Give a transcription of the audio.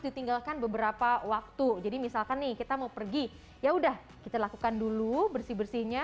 ditinggalkan beberapa waktu jadi misalkan nih kita mau pergi yaudah kita lakukan dulu bersih bersihnya